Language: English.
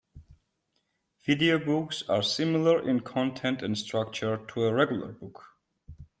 Video books are similar in content and structure to a "regular" book.